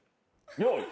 用意。